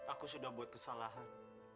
aku sudah buat kesalahan